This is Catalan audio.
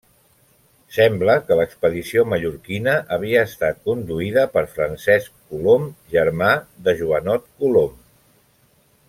Sembla que l'expedició mallorquina havia estat conduïda per Francesc Colom, germà de Joanot Colom.